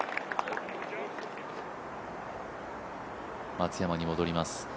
松山に戻ります。